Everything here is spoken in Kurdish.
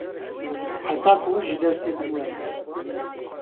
heta ku ji destê min were